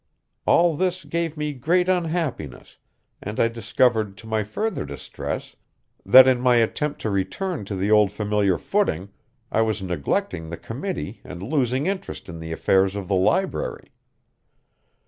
All this gave me great unhappiness, and I discovered, to my further distress, that in my attempt to return to the old familiar footing I was neglecting the committee and losing interest in the affairs of the library.